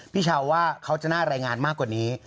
พี่ชาวว่าเขาจะน่ารายงานมากกว่านี้